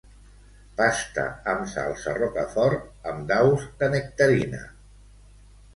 Pasta amb salsa rocafort amb daus de nectarina.